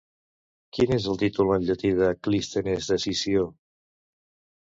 Quin és el títol en llatí de Clístenes de Sició?